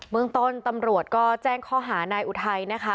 เมืองต้นตำรวจก็แจ้งข้อหานายอุทัยนะคะ